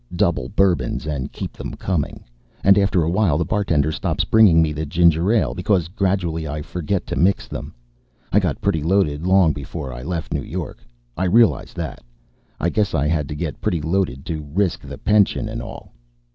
Double bourbons and keep them coming. And after a while the bartender stops bringing me the ginger ale because gradually I forget to mix them. I got pretty loaded long before I left New York. I realize that. I guess I had to get pretty loaded to risk the pension and all.